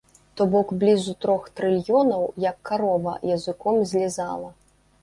То бок блізу трох трыльёнаў як карова языком злізала.